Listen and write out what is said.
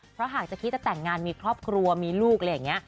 เพราะหากจะคิดจะแต่งงานมีครอบครัวมีลูกอะไรอย่างนี้